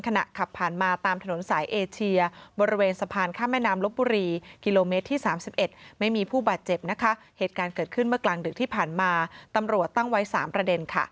ขณะขับผ่านมาตามถนนสายเอเชียบริเวณสะพานข้ามแม่น้ำลบบุรีกิโลเมตรที่๓๑ไม่มีผู้บาดเจ็บนะคะเหตุการณ์เกิดขึ้นเมื่อกลางดึกที่ผ่านมาตำรวจตั้งไว้๓ประเด็นค่ะ